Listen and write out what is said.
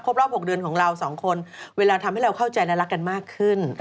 รอบ๖เดือนของเราสองคนเวลาทำให้เราเข้าใจและรักกันมากขึ้น